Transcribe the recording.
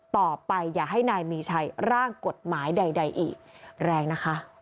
อย่าให้นายมีชัยร่างกฎหมายใดอีกแรงนะคะ